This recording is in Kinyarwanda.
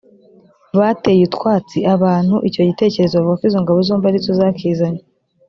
bateye utwatsi abantu icyo gitekerezo bavuga ko izo ngabo zombi arizo zakizanye